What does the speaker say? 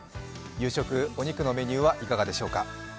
夕食、お肉のメニューはいかがでしょうか。